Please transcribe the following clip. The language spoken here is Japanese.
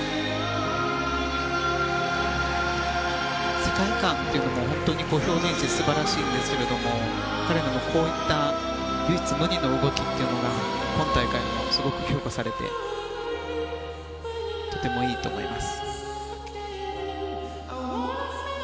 世界観というのを本当に表現して素晴らしいんですが彼らのこういった唯一無二の動きというのが今大会でもすごく評価されてとてもいいと思います。